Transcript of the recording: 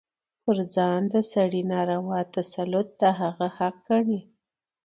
پر ځان د سړي ناروا تسلط د هغه حق ګڼي.